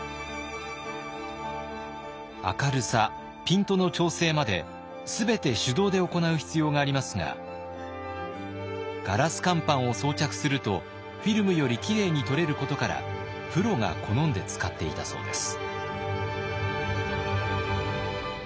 明るさピントの調整まで全て手動で行う必要がありますがガラス乾板を装着するとフィルムよりきれいに撮れることからプロが好んで使っていたそうです。